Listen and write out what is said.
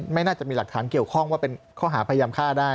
ไม่น่าจะมีหลักฐานเกี่ยวข้องว่าเป็นข้อหาพยายามฆ่าได้